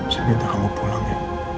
jadi entah kamu pulang ya